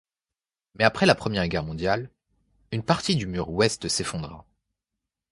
Mais après la Première Guerre mondiale, une partie du mur ouest s'effondrera.